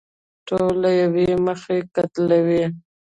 ټول له يوې مخې قتلوي.